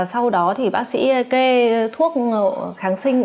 sau đó thì bác sĩ kê thuốc kháng sinh